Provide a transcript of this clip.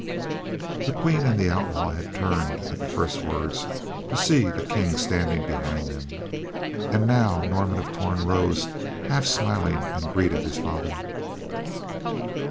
The Queen and the outlaw had turned at the first words to see the King standing behind them, and now Norman of Torn rose, half smiling, and greeted his father.